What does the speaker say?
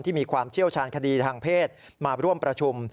มีความเชี่ยวชาญคดีทางเพศมาร่วมประชุม